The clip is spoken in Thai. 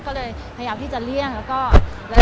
ก็เลยพยายามที่จะเลี่ยงแล้วก็อะไรอีกอย่าง